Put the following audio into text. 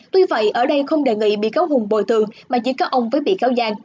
tuy vậy ở đây không đề nghị bị cáo hùng bồi thường mà chỉ có ông với bị cáo giang